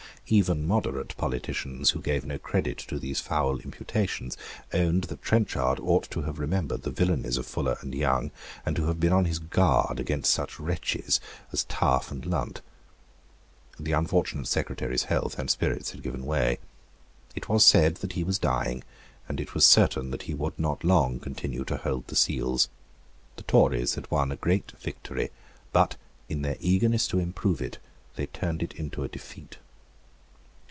Even moderate politicians, who gave no credit to these foul imputations, owned that Trenchard ought to have remembered the villanies of Fuller and Young, and to have been on his guard against such wretches as Taaffe and Lunt. The unfortunate Secretary's health and spirits had given way. It was said that he was dying; and it was certain that he would not long continue to hold the seals. The Tories had won a great victory; but, in their eagerness to improve it, they turned it into a defeat.